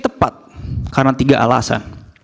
tepat karena tiga alasan